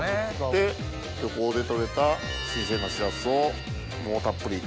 で漁港で取れた新鮮なしらすをもうたっぷり。